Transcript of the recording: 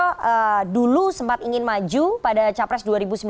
pak gatot nurmantio dulu sempat ingin maju pada capres dua ribu sembilan belas